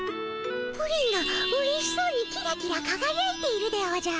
プリンがうれしそうにキラキラかがやいているでおじゃる。